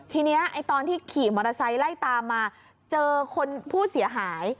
ทีนี้ตอนที่ขี่มอเตอร์ไซค์ไล่ตามมาเจอคนผู้เสียหาย